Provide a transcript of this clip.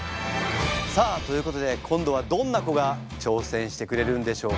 さあということで今度はどんな子が挑戦してくれるんでしょうか？